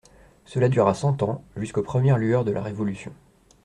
Cela dura cent ans, jusqu'aux premières lueurs de la Révolution.